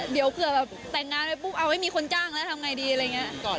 เดี๋ยวเผื่อแบบแต่งงานไปปุ๊บเอาไม่มีคนจ้างแล้วทำไงดีอะไรอย่างนี้